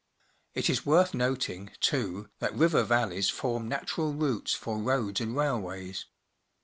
It is worth noting, too, that river vallej's form natural routes for roads and railways.